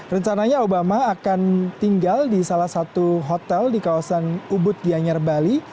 rencananya obama akan tinggal di salah satu hotel di kawasan ubud gianyar bali